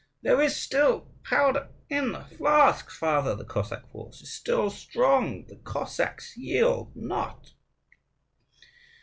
"There is still powder in the flasks, father; the Cossack force is still strong: the Cossacks yield not!"